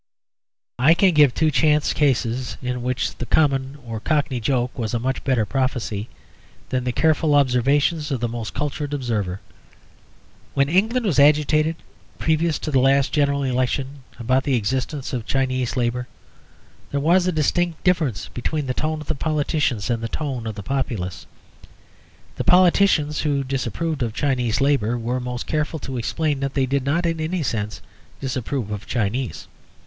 I can give two chance cases in which the common or Cockney joke was a much better prophecy than the careful observations of the most cultured observer. When England was agitated, previous to the last General Election, about the existence of Chinese labour, there was a distinct difference between the tone of the politicians and the tone of the populace. The politicians who disapproved of Chinese labour were most careful to explain that they did not in any sense disapprove of Chinese.